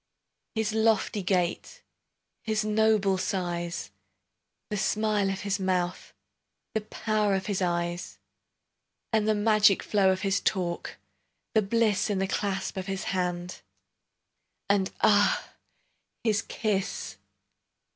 His lofty gait, His noble size, The smile of his mouth, The power of his eyes, And the magic flow Of his talk, the bliss In the clasp of his hand, And, ah! his kiss!